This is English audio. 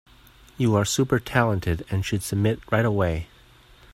You are super talented and should submit right away.